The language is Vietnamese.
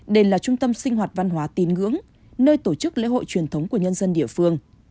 đây là trung tâm sinh hoạt văn hóa tín ngưỡng nơi tổ chức lễ hội truyền thống của nhân dân địa phương